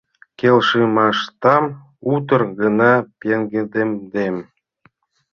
Келшымашдам утыр гына пеҥгыдемдем.